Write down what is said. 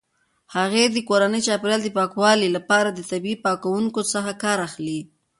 هغې د کورني چاپیریال د پاکوالي لپاره د طبیعي پاکونکو څخه کار اخلي.